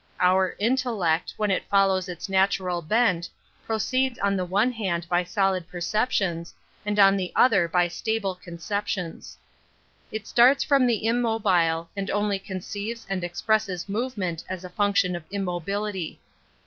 Our intellect, when it follows its natural hent, proceeds on the one hand hy solid perceptions, and on the other hy stable conceptions. It starts from the im mobile, and only conceives and expresses movement as a function of immobility.